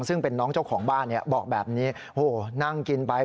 ซึ่งเป็นน้องเจ้าของบ้านบอกแบบนี้โอ้โหนั่งกินไป